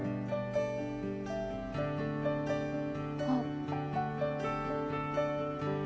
あっ。